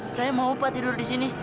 saya mau pak tidur disini